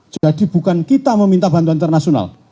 jadi bukan kita meminta bantuan internasional